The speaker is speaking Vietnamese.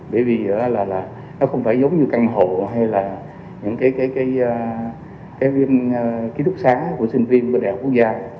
bởi vì nó không phải giống như căn hộ hay là những ký đức sáng của sinh viên của đại học quốc gia